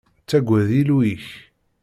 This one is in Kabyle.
Ttagad Illu-ik.